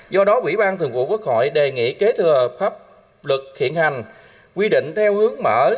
do đó ủy ban thường vụ quốc hội đề nghị kế thừa pháp luật hiện hành quy định theo hướng mở